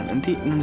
aku pengen balik